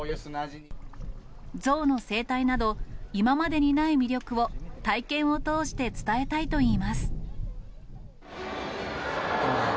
象の生態など、今までにない魅力を体験を通して伝えたいといいます。